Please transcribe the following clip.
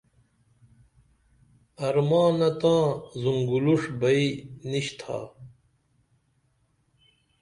ارمانہ تاں زُنگولݜ بئی نِشتھا